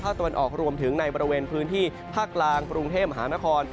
ตะวันออกรวมถึงในบริเวณพื้นที่ภาคกลางกรุงเทพมหานคร